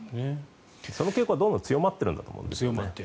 その傾向はどんどん強まっているんだと思うんですよ。